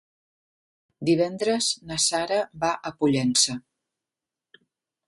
Divendres na Sara va a Pollença.